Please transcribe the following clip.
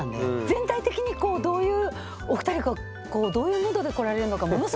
全体的にこうどういうお二人がこうどういうムードで来られるのかものすごく気になります。